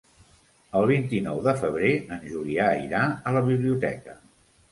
El vint-i-nou de febrer en Julià irà a la biblioteca.